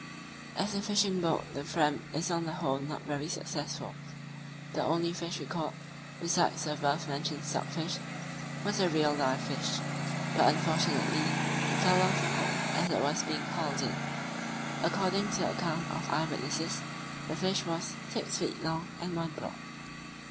As a fishing boat the Fram is on the whole not very successful. The only fish we caught, besides the above mentioned stockfish, was a real live fish; but, unfortunately, it fell off the hook as it was being hauled in. According to the account of eye witnesses, this fish was ... six feet long and one broad.